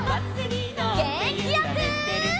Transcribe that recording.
げんきよく！